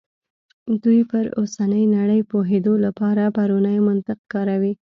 دوی پر اوسنۍ نړۍ پوهېدو لپاره پرونی منطق کاروي.